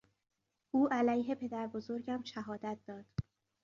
او علیه پدربزرگم شهادت داد.